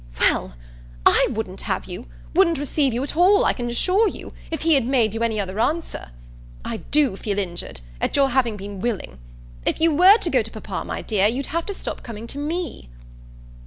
"Well, I wouldn't have you wouldn't receive you at all, I can assure you if he had made you any other answer. I do feel injured at your having been willing. If you were to go to papa, my dear, you'd have to stop coming to me."